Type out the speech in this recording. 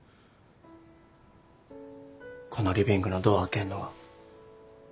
このリビングのドア開けんのが。